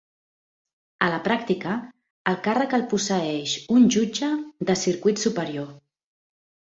A la pràctica, el càrrec el posseeix un jutge de circuit superior.